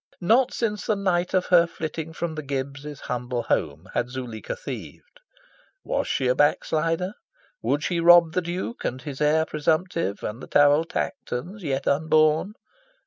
Not since the night of her flitting from the Gibbs' humble home had Zuleika thieved. Was she a back slider? Would she rob the Duke, and his heir presumptive, and Tanville Tankertons yet unborn?